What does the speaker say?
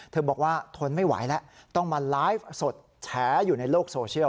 บอกว่าทนไม่ไหวแล้วต้องมาไลฟ์สดแฉอยู่ในโลกโซเชียล